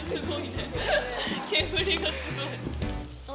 煙がすごいね。